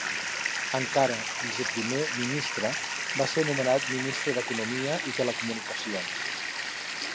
Encara viceprimer ministre, va ser nomenat ministre d'Economia i Telecomunicacions.